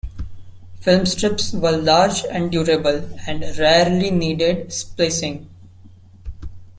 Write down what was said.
Filmstrips were large and durable, and rarely needed splicing.